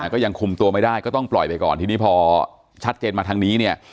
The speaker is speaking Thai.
ก็ยังคุมตัวไม่ได้ก็ต้องปล่อยไปก่อนทีนี้พอชัดเจนมาทางนี้เนี่ย